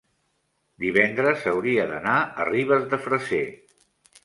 divendres hauria d'anar a Ribes de Freser.